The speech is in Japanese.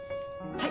・はい！